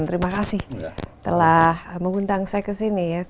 terima kasih telah mengundang saya ke sini ya